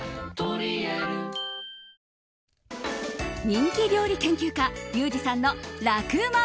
人気料理研究家リュウジさんの楽ウマ！